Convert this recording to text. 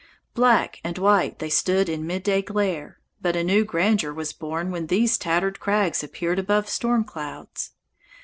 Black and white they stood in midday glare, but a new grandeur was born when these tattered crags appeared above storm clouds.